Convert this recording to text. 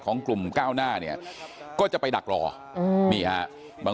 ของกลุ่มก้าวหน้าเนี่ยก็จะไปดักรออืมนี่ฮะบาง